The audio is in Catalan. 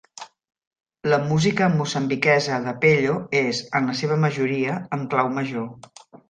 La música mozambiques de Pello és, en la seva majoria, en clau major.